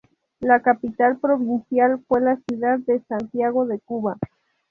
La capital provincial fue la ciudad de Santiago de Cuba.